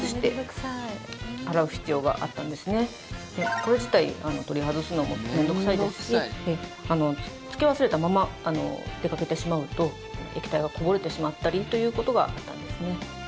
これ自体、取り外すのも面倒臭いですしつけ忘れたまま出かけてしまうと液体がこぼれてしまったりということがあったんですね。